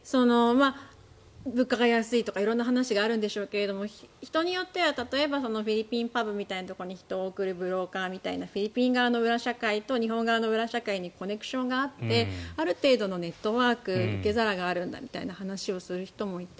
物価が安いとか色んな話があるんでしょうが、人によっては例えばフィリピンパブみたいなところに人を送るブローカーみたいなフィリピン側の裏社会と日本の裏社会にコネクションがあってある程度のネットワーク受け皿があるんだみたいな話をする人もいて。